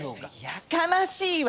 やかましいわ！